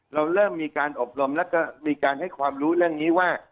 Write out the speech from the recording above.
เราเริ่มมีการอบรมแล้วก็มีการให้ความรู้เรื่องนี้ว่า